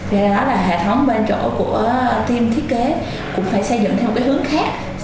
do đó là hệ thống bên chỗ của team thiết kế cũng phải xây dựng theo một cái hướng khác